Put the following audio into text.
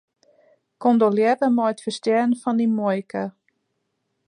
Kondolearre mei it ferstjerren fan dyn muoike.